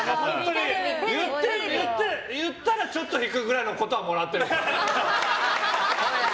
言ったら、ちょっと引くくらいのことはもらってますよ。